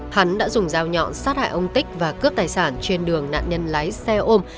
hắn đã dùng dao nhọn sát hại ông tích và cướp tài sản trên đường nạn nhân lái xe ôm